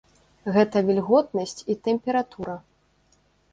Гэта вільготнасць і тэмпература.